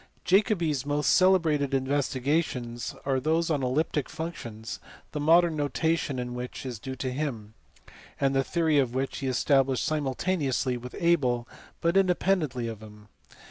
Jacobi s most celebrated investigations are those on elliptic functions, the modern notation in which is due to him, and the theory of which he established simultaneously with Abel but independently of him.